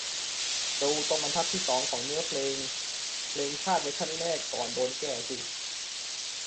ดูตรงบรรทัดที่สองของเนื้อเพลงเพลงชาติเวอร์ชั่นแรกก่อนโดนแก้สิ